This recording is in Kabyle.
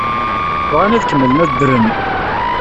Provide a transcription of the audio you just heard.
Bɣan ad kemmlen ad ddren.